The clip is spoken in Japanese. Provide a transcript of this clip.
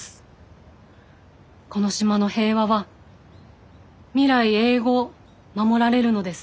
この島の平和は未来永劫守られるのです。